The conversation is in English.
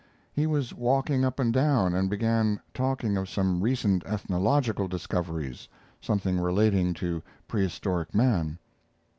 He was walking up and down and began talking of some recent ethnological discoveries something relating to prehistoric man.